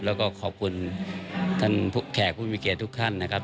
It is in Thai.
แล้วก็ขอบคุณท่านแขกผู้มีเกียรติทุกท่านนะครับ